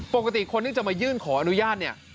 ปกติคนที่จะมายื่นขออนุญาตเนี่ย